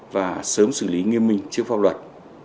và sớm xử lý nghiêm minh trước pháp luật